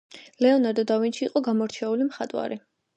ლეონარდო დავინჩი იყო გამორჩეული მხატვარი